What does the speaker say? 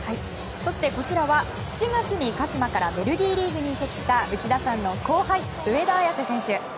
そしてこちらは７月に鹿島からベルギーリーグに移籍した内田さんの後輩上田綺世選手。